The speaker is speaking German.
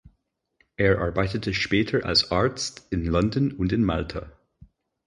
Er arbeitete später als Arzt in London und in Malta.